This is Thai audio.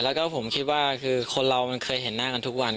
แล้วก็ผมคิดว่าคือคนเรามันเคยเห็นหน้ากันทุกวัน